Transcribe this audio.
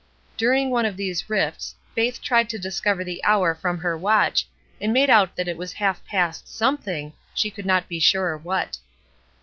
During one of these rifts Faith tried to discover the hour from her watch, and made out that it was half past something^ she could not be sure what.